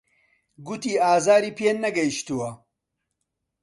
گوتی ئازاری پێ نەگەیشتووە.